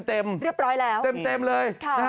เรียบร้อยแล้วเต็มเลย